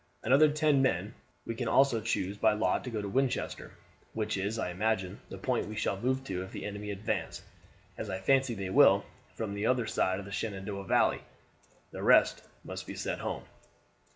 "Another ten men we can also choose by lot to go to Winchester; which is, I imagine, the point we shall move to if the enemy advance, as I fancy they will, from the other side of the Shenandoah Valley. The rest must be sent home."